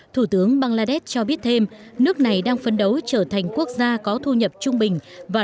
thủ tướng bangladesh cho biết thêm nước này đang phấn đấu trở thành quốc gia có thu nhập trung bình